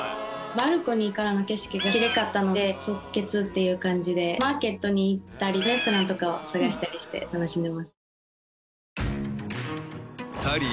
バルコニーからの景色がキレイかったので即決っていう感じでマーケットに行ったりレストランとかを探したりして楽しんでます。